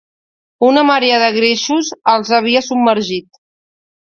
Una marea de greixos els havia submergit.